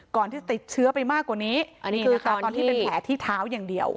ที่ติดเชื้อไปมากกว่านี้อันนี้คือตอนที่เป็นแผลที่เท้าอย่างเดียว